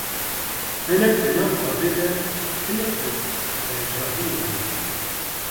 Hinek di nav avê de, hinek di bejahiyê de ne.